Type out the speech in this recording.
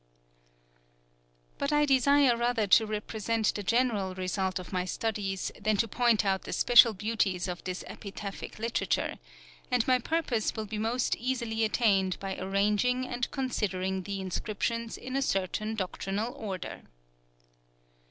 But I desire rather to represent the general result of my studies, than to point out the special beauties of this epitaphic literature: and my purpose will be most easily attained by arranging and considering the inscriptions in a certain doctrinal order.